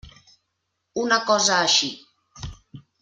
Una cosa així.